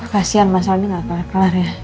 kasihan mas amin gak kelar kelar ya